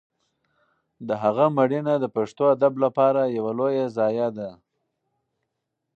د هغه مړینه د پښتو ادب لپاره یوه لویه ضایعه ده.